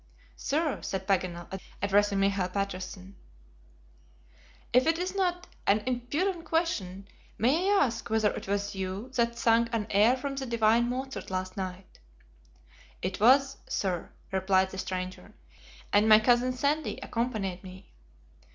"Sir," said Paganel, addressing Michael Patterson, "if it is not an impudent question, may I ask whether it was you that sung an air from the divine Mozart last night?" "It was, sir," replied the stranger, "and my cousin Sandy accompanied me."